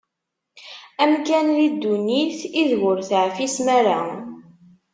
Amkan di ddunit ideg ur teεfisem-ara.